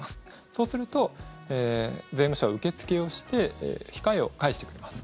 そうすると税務署は受け付けをして控えを返してくれます。